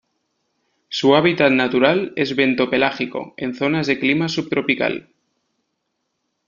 Su hábitat natural es bentopelágico, en zonas de clima subtropical.